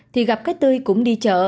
thì gặp cái tươi cũng đi chợ